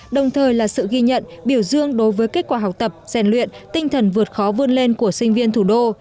đồng thời là sự ghi nhận biểu dương đối với kết quả học tập rèn luyện tinh thần vượt khó vươn lên của sinh viên thủ đô